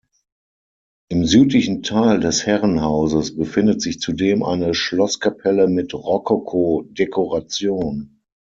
Im südlichen Teil des Herrenhauses befindet sich zudem eine Schlosskapelle mit Rokoko-Dekoration.